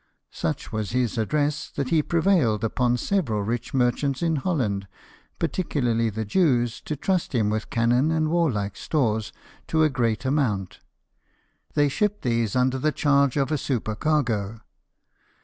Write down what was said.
Such was his address that he prevailed upon several rich merchants in Holland, particularly the Jews, to trust him with cannon and warlike stores to a great amount. They shipped these under the charge of a supercargo.